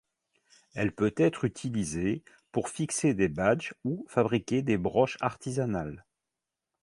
Elle peut être utilisée pour fixer des badges ou fabriquer des broches artisanales.